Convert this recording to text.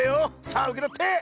さあうけとって！